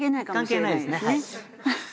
関係ないですねはい。